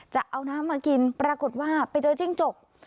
จะเอาน้ำมากินปรากฏว่าไปเจอจิ้งจก